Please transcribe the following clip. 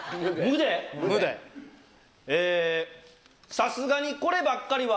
さすがにこればっかりは。